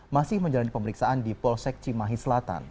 masih menjalani pemeriksaan di polsek cimahi selatan